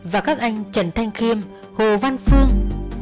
và các anh trần thanh khiêm hồ văn phương